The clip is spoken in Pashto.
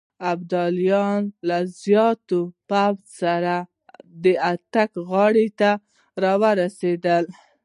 ابدالي له زیات پوځ سره د اټک غاړې ته رسېدلی.